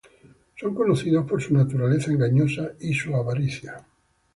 Son conocidos por su naturaleza engañosa y su avaricia.